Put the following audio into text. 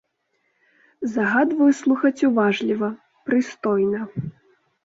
Загадваю слухаць уважліва, прыстойна!